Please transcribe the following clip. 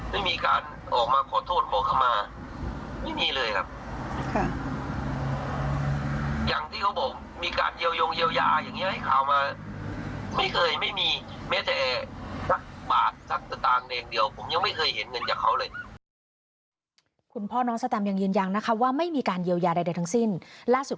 ไม่มีการออกมาขอโทษขอเข้ามาไม่มีเลยครับ